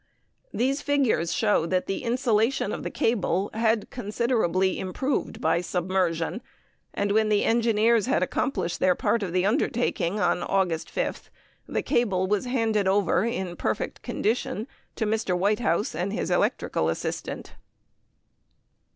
These figures show that the insulation of the cable had considerably improved by submersion, and when the engineers had accomplished their part of the undertaking, on August 5th, the cable was handed over in perfect condition to Mr. Whitehouse and his electrical assistant.